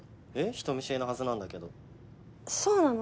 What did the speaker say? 人見知りなはずなんだけどそうなの？